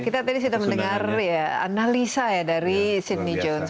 kita tadi sudah mendengar analisa dari sidney jones